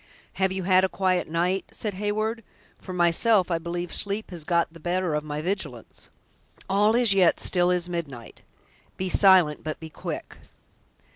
"Have you had a quiet night?" said Heyward; "for myself, I believe sleep has got the better of my vigilance." "All is yet still as midnight. Be silent, but be quick."